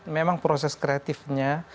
memang proses kreatifnya